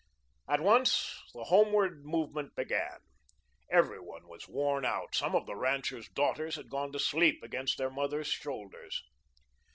At once the homeward movement began. Every one was worn out. Some of the ranchers' daughters had gone to sleep against their mothers' shoulders.